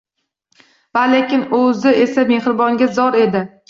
Va lekin o‘zi esa mehribonga zor edi.